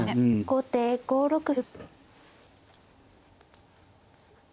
後手５六歩。